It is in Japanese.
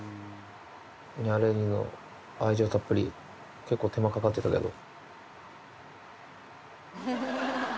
ニャレ兄の愛情たっぷり結構手間かかってたけど。